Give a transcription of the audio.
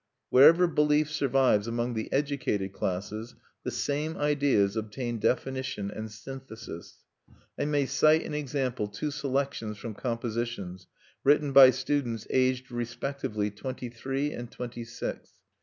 Wherever belief survives among the educated classes, the same ideas obtain definition and synthesis. I may cite, in example, two selections from compositions, written by students aged respectively twenty three and twenty six.